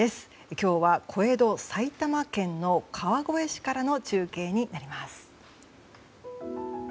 今日は小江戸埼玉県の川越市からの中継になります。